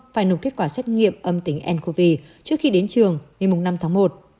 phải nộp kết quả xét nghiệm âm tính ncov trước khi đến trường ngày năm tháng một